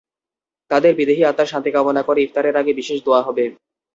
তাঁদের বিদেহী আত্মার শান্তি কামনা করে ইফতারের আগে বিশেষ দোয়া হবে।